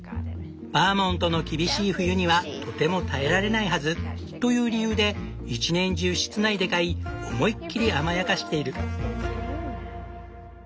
バーモントの厳しい冬にはとても耐えられないはずという理由で一年中室内で飼い思いっきり甘やかしている。